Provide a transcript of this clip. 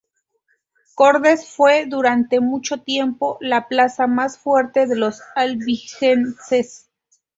Cordes fue, durante mucho tiempo, la plaza más fuerte de los albigenses.